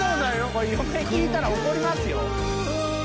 これ嫁聴いたら怒りますよ。